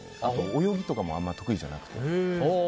泳ぎとかもあんまり得意じゃなくて。